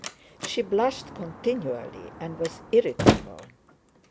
She blushed continually and was irritable.